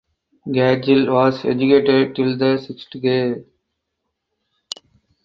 Gadgil was educated till the sixth grade.